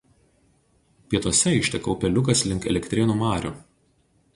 Pietuose išteka upeliukas link Elektrėnų marių.